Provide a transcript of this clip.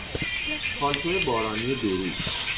پالتو بارانی دو رو